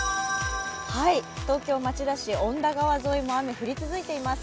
東京・町田市、恩田川沿いも雨が降り続いています。